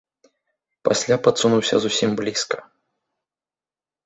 Пасля падсунуўся зусім блізка.